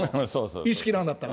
意識なんだったら。